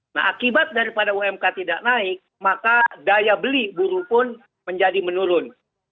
nah akibat daripada umk tidak naik maka daya beli buruh pun menjadi menurun